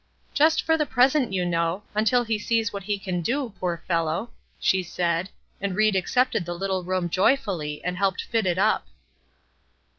"Just for the present, you know, until he sees what he can do, poor fellow," she said, and Ried accepted the little room joyfully, and helped fit it up.